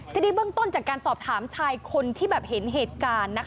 ทีนี้เบื้องต้นจากการสอบถามชายคนที่เห็นเหตุการณ์